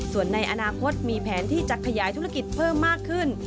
ส่วนในอนาคตมีแผนที่จะขยายธุรกิจเพิ่มมากขึ้น